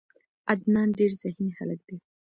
عدنان ډیر ذهین هلک ده.